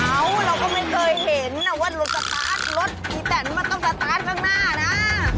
เราก็ไม่เคยเห็นนะว่ารถสตาร์ทรถอีแตนมันต้องสตาร์ทข้างหน้านะ